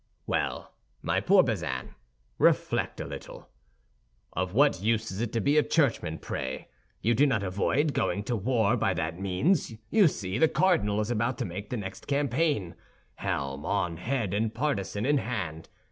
"Well, but my poor Bazin, reflect a little. Of what use is it to be a churchman, pray? You do not avoid going to war by that means; you see, the cardinal is about to make the next campaign, helm on head and partisan in hand.